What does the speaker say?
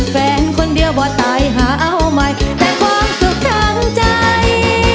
แฟนคนเดียวบ่ตายหาเอาใหม่แต่ความสุขทางใจ